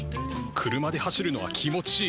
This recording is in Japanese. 車で走るのは気持ちいい。